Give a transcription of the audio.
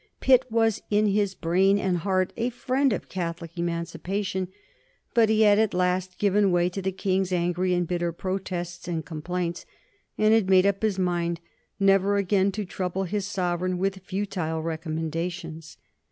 Pitt was in his brain and heart a friend of Catholic emancipation, but he had at last given way to the King's angry and bitter protests and complaints, and had made up his mind never again to trouble his Sovereign with futile recommendations.